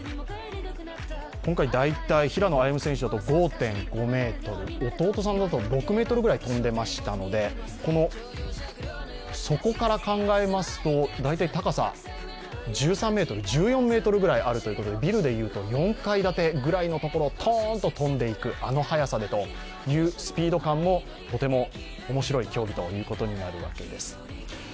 今回平野歩夢選手だと５．５ｍ、弟さんだと６ｍぐらい跳んでいましたので、底から考えますと、高さ１３ｍ、１４ｍぐらいあるということでビルでいうと４階建てぐらいのところをトーンと跳んでいく、あの速さでというスピード感もとても面白い競技ということになるわけです。